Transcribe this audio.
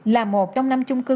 là một trong năm chung cư